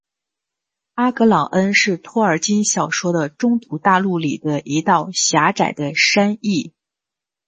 阿格朗恩是托尔金小说的中土大陆里的一道狭窄的山隘。